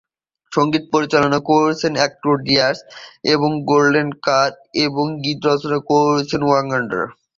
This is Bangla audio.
সঙ্গীত পরিচালনা করেছেন আন্দ্রেয়াস গোল্ডাকার এবং গীত রচনা করেছেন ওয়াগ্নার।